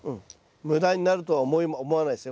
無駄になるとは思わないですね。